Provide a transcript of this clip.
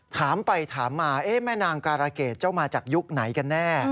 ถามไปถามมาแม่นางการาเกรดเจ้ามาจากยุคไหนกันแน่